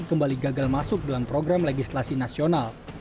kembali gagal masuk dalam program legislasi nasional